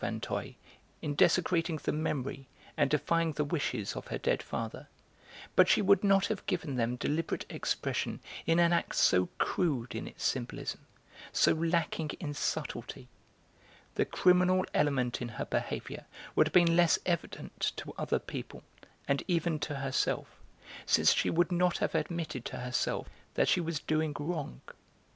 Vinteuil in desecrating the memory and defying the wishes of her dead father, but she would not have given them deliberate expression in an act so crude in its symbolism, so lacking in subtlety; the criminal element in her behaviour would have been less evident to other people, and even to herself, since she would not have admitted to herself that she was doing wrong.